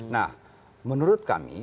nah menurut kami